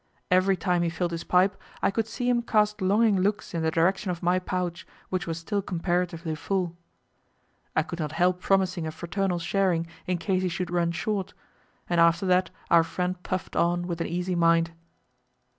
Every time he filled his pipe, I could see him cast longing looks in the direction of my pouch, which was still comparatively full. I could not help promising a fraternal sharing in case he should run short; and after that our friend puffed on with an easy mind.